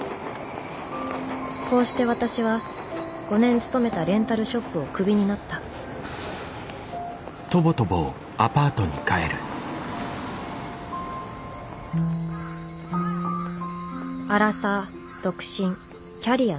こうして私は５年勤めたレンタルショップをクビになったアラサー独身キャリアなし。